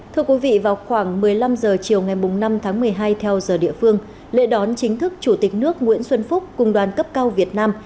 thưa quý vị vào khoảng một mươi năm h chiều ngày năm tháng một mươi hai theo giờ địa phương lễ đón chính thức chủ tịch nước nguyễn xuân phúc cùng đoàn cấp cao việt nam